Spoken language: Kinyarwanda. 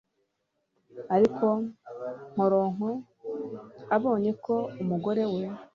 ariko Nkoronko abonye ko umugore we